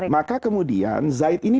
maka kemudian zaid ini